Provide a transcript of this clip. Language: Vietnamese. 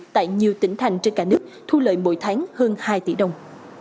tại nhiều tỉnh thành trên cả nước thu lợi mỗi tháng hơn hai tỷ đồng